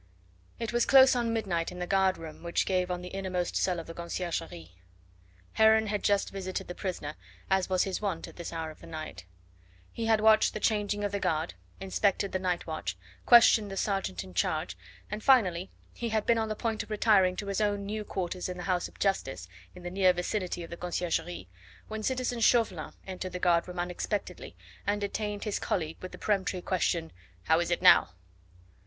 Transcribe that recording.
It was close on midnight in the guard room which gave on the innermost cell of the Conciergerie. Heron had just visited the prisoner as was his wont at this hour of the night. He had watched the changing of the guard, inspected the night watch, questioned the sergeant in charge, and finally he had been on the point of retiring to his own new quarters in the house of Justice, in the near vicinity of the Conciergerie, when citizen Chauvelin entered the guard room unexpectedly and detained his colleague with the peremptory question: "How is it now?"